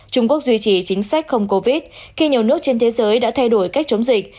trung quốc duy trì chính sách không covid khi nhiều nước trên thế giới đã thay đổi cách chống dịch